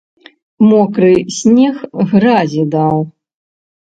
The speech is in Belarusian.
Мокры снег гразі даў.